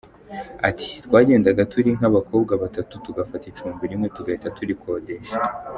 Ati : “Twagendaga turi nk’abakobwa batatu tugafata icumbi rimwe tugahita turikodesha.